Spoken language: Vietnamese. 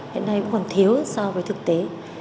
hiện nay cũng còn thiếu so với thực tế